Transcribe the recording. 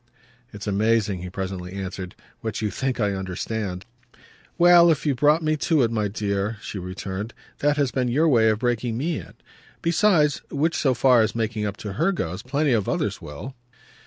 "It's amazing," he presently answered, "what you think I understand." "Well, if you've brought me to it, my dear," she returned, "that has been your way of breaking ME in. Besides which, so far as making up to her goes, plenty of others will."